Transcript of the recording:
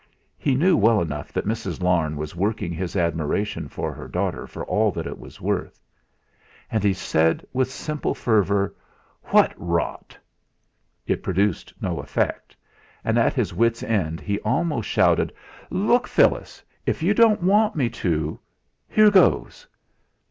He knew well enough that Mrs. Larne was working his admiration for her daughter for all that it was worth. And he said with simple fervour: "What rot!" It produced no effect, and at his wits' end, he almost shouted: "Look, Phyllis! If you don't want me to here goes!"